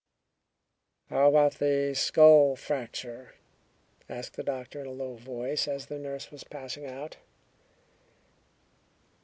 "How about the skull fracture?" asked the doctor in a low voice, as the nurse was passing out.